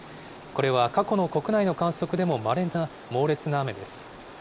これは過去の国内の観測でもまれな猛烈な雨です。